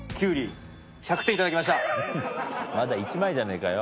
まだ１枚じゃねえかよ。